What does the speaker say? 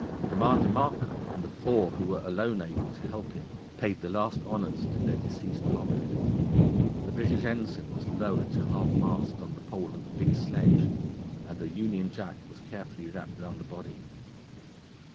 Commander Markham, and the four who were alone able to help him, paid the last honours to their deceased comrade. The British ensign was lowered to half mast on the pole of the big sledge and a Union Jack was carefully wrapped round the body.